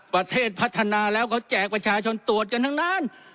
ประเทศพัฒนาแล้วเขาแจกประชาชนตรวจกันทั้งนั้น